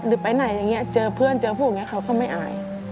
หรือไปไหนอย่างเงี้ยเจอเพื่อนเจอผู้อย่างเงี้ยเขาก็ไม่อาย